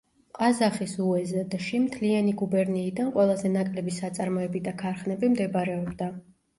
ყაზახის უეზდში მთლიანი გუბერნიიდან ყველაზე ნაკლები საწარმოები და ქარხნები მდებარეობდა.